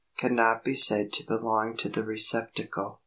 cannot be said to belong to the receptacle.